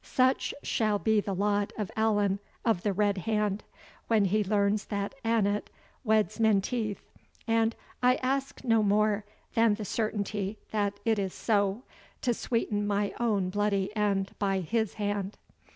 Such shall be the lot of Allan of the Red hand, when he learns that Annot weds Menteith and I ask no more than the certainty that it is so, to sweeten my own bloody end by his hand."